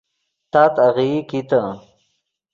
تات آغیئی کیتے